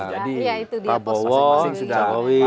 ya itu dia pak prabowo pak jokowi